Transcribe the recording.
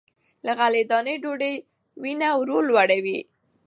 له غلې- دانو ډوډۍ وینه ورو لوړوي.